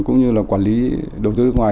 cũng như là quản lý đầu tư nước ngoài